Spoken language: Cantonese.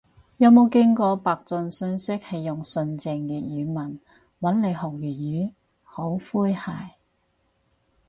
有冇見過白撞訊息係用純正粵語問，搵你學粵語？好詼諧